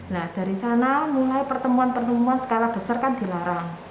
nah dari sana mulai pertemuan pertemuan skala besar kan dilarang